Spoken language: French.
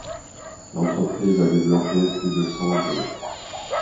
L'entreprise a développé plus de cent jeux.